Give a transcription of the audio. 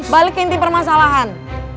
balik ke inti permasalahan